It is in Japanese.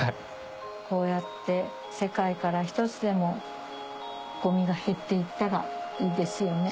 こうやって世界から一つでもゴミが減っていったらいいですよね。